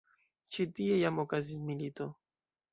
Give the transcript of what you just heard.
Ĉi tie jam okazis milito.